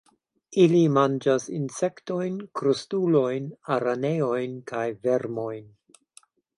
Ili manĝas insektojn, krustulojn, araneojn kaj vermojn.